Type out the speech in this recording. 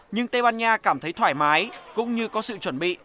nhưng tây ban nha cảm thấy thoải mái cũng như có sự chuẩn bị